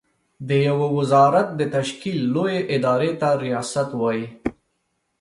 د يوه وزارت د تشکيل لويې ادارې ته ریاست وايې.